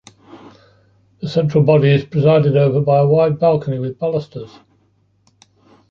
The central body is presided over by a wide balcony with balusters.